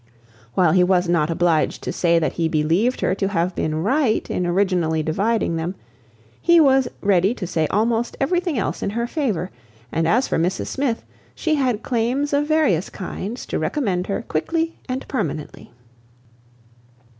While he was not obliged to say that he believed her to have been right in originally dividing them, he was ready to say almost everything else in her favour, and as for Mrs Smith, she had claims of various kinds to recommend her quickly and permanently.